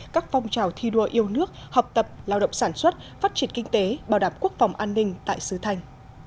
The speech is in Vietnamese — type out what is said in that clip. các phong trào thi đua yêu nước học tập lao động sản xuất phát triển kinh tế bảo đảm quốc phòng an ninh tại sứ thanh